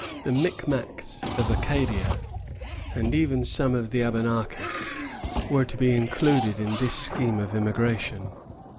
The Micmacs of Acadia, and even some of the Abenakis, were to be included in this scheme of immigration.